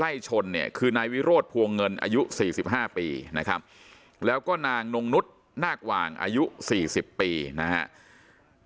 ชนเนี่ยคือนายวิโรธพวงเงินอายุ๔๕ปีนะครับแล้วก็นางนงนุษย์นาคหว่างอายุ๔๐ปีนะครับ